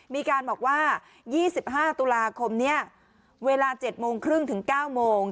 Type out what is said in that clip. มีการบอกว่า๒๕ตุลาคมนี้เวลา๗โมงครึ่งถึง๙โมง